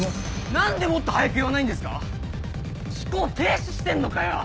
何でもっと早く言わないんですか⁉思考停止してんのかよ！